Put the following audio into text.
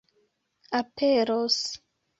aperos